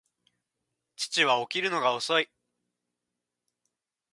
父は起きるのが遅い